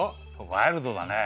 ワイルドだね。